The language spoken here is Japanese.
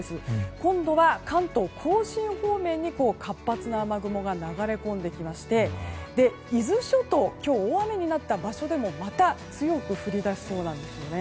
今後は関東・甲信方面に活発な雨雲が流れ込んできまして伊豆諸島、今日大雨になった場所でもまた強く降り出しそうなんです。